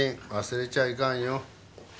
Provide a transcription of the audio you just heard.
忘れちゃいかんよ。